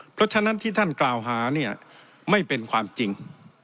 เพราะฉะนั้นที่ท่านกล่าวหาเนี่ยไม่เป็นความจริง